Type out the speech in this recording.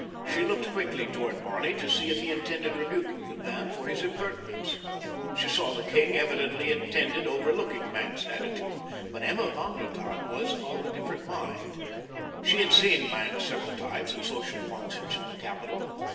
She looked quickly toward Barney to see if he intended rebuking the man for his impertinence. She saw that the king evidently intended overlooking Maenck's attitude. But Emma von der Tann was of a different mind. She had seen Maenck several times at social functions in the capital.